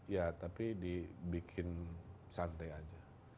ya tapi dibikin santai aja